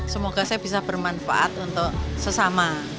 semoga saya bisa bermanfaat untuk sesama